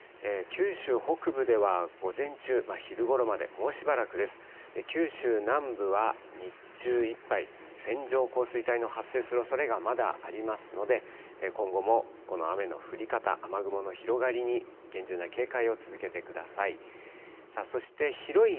九州南部は日中いっぱい線状降水帯の発生するおそれがまだありますので今後もこの雨の降り方、雨雲の広がりに厳重な警戒を続けてください。